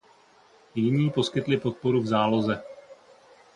Jiní poskytli podporu v záloze.